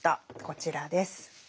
こちらです。